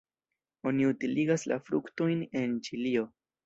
Oni utiligas la fruktojn en Ĉilio.